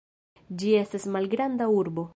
Ĝi estas malgranda urbo.